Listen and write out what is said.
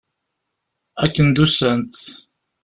Akken d-usant.